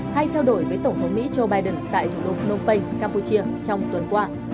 hay trao đổi với tổng thống mỹ joe biden tại thủ đô phnom penh campuchia trong tuần qua